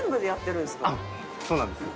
そうなんです。